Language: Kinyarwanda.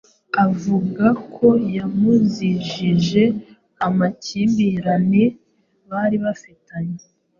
avuga ko yamuzijije amakimbirane bari bafitanye